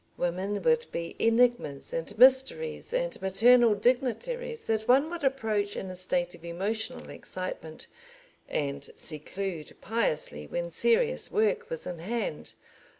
Women would be enigmas and mysteries and maternal dignitaries that one would approach in a state of emotional excitement and seclude piously when serious work was in hand.